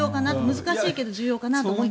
難しいけど重要かなと。